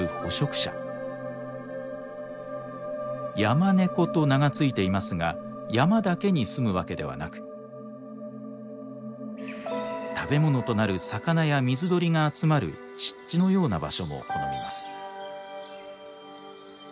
ヤマネコと名が付いていますが山だけにすむわけではなく食べ物となる魚や水鳥が集まる湿地のような場所も好みます。